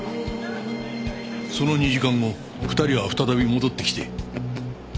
その２時間後２人は再び戻ってきて。